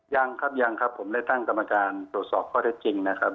ยังครับยังครับผมได้ตั้งกรรมการตรวจสอบข้อเท็จจริงนะครับ